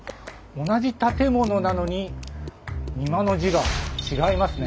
同じ建物なのに「にま」の字が違いますね。